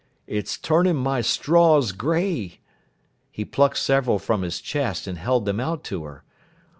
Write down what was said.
"It's turning my straws gray." He plucked several from his chest and held them out to her.